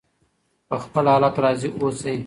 په خپل حالت راضي اوسئ.